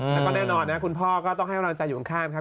แล้วก็แน่นอนนะครับคุณพ่อต้องให้โวนะจ่ายอยู่ข้างครับ